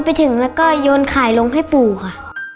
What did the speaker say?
ไปถึงแล้วก็โยนขายลงให้ปู่ค่ะ